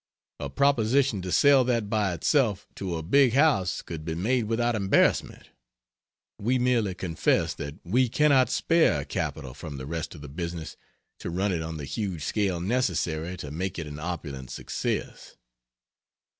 A proposition to sell that by itself to a big house could be made without embarrassment we merely confess that we cannot spare capital from the rest of the business to run it on the huge scale necessary to make it an opulent success.